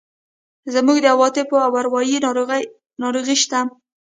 زموږ د عواطفو او اروایي ناروغۍ شته.